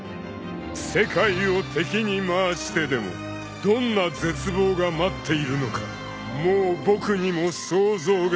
［世界を敵に回してでもどんな絶望が待っているのかもう僕にも想像がつきません］